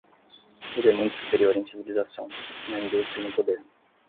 Ele é muito superior em civilização, na indústria e no poder.